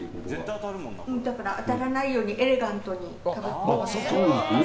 だから、当たらないようにエレガントにかぶってます。